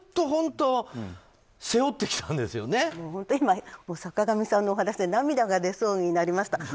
本当に坂上さんのお話で涙が出そうになりました。